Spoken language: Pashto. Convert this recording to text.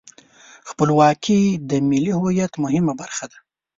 خپلواکي د ملي هویت مهمه برخه ده.